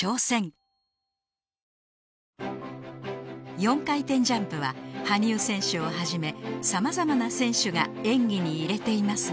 ４回転ジャンプは羽生選手を始め様々な選手が演技に入れていますが